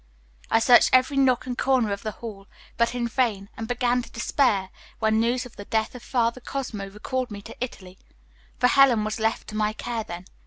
I searched every nook and corner of the Hall, but in vain, and began to despair, when news of the death of Father Cosmo recalled me to Italy; for Helen was left to my care then.